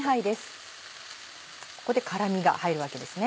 ここで辛みが入るわけですね。